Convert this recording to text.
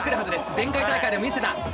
前回大会でも見せた。